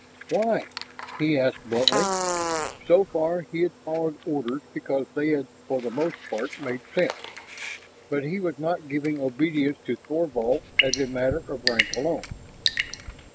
"Why?" he asked bluntly. So far he had followed orders because they had for the most part made sense. But he was not giving obedience to Thorvald as a matter of rank alone.